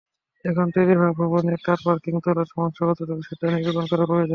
এখন তৈরি হওয়া ভবনে কারপার্কিং তলার সমস্যা কতটুকু, সেটা নিরূপণ করা প্রয়োজন।